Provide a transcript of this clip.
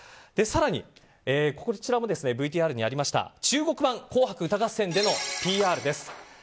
更に、こちらもＶＴＲにありました中国版「紅白歌合戦」でのＰＲです。